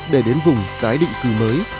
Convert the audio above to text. để đến vùng tái định cử mới